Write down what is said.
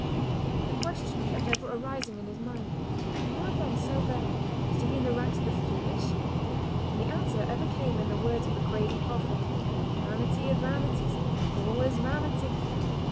The question kept ever arising in his mind: "Am I then so vain as to be in the ranks of the foolish?" and the answer ever came in the words of the crazy prophet: "'Vanity of vanities! All is vanity.